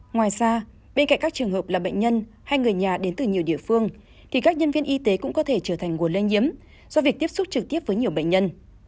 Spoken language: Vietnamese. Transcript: ngoài ra bên cạnh các trường hợp là bệnh nhân hay người nhà đến từ nhiều địa phương thì các nhân viên y tế cũng có thể trở thành nguồn lây nhiễm do việc tiếp xúc trực tiếp với nhiều bệnh nhân